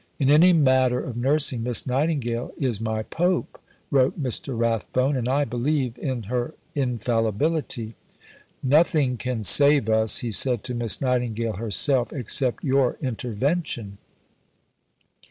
"In any matter of nursing, Miss Nightingale is my Pope," wrote Mr. Rathbone, "and I believe in her infallibility." "Nothing can save us," he said to Miss Nightingale herself, "except your intervention."